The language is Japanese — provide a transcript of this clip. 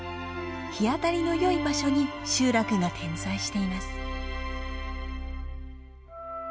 日当たりのよい場所に集落が点在しています。